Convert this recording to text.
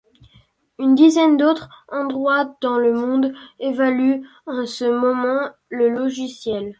Une dizaine d'autres endroits dans le monde évaluent en ce moment le logiciel.